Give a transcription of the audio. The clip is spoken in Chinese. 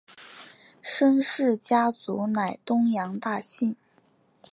申氏家族乃东阳大姓。